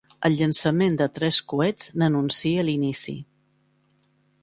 El llançament de tres coets n'anuncia l'inici.